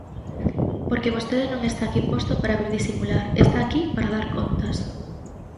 Porque vostede non está aquí posto para vir disimular, está aquí para dar contas.